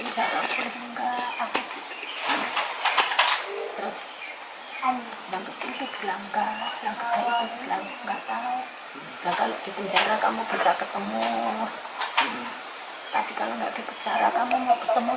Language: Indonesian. kamu bisa ketemu